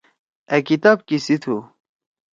أ کتاب کیِسی تُھو؟